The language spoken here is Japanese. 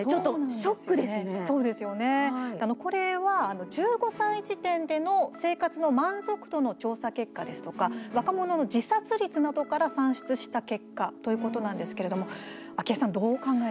これは、１５歳時点での生活の満足度の調査結果ですとか若者の自殺率などから算出した結果ということなんですけれどもあきえさん、どうお考えですか？